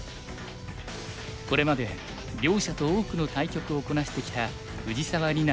これまで両者と多くの対局をこなしてきた藤沢里菜